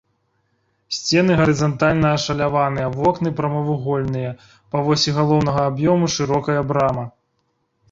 Сцены гарызантальна ашаляваныя, вокны прамавугольныя, па восі галоўнага аб'ёму шырокая брама.